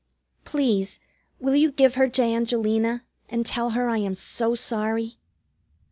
Please, will you give her to Angelina, and tell her I am so sorry?"